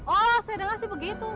oh saya dengar sih begitu